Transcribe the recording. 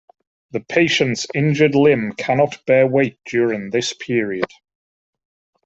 The patient's injured limb cannot bear weight during this period.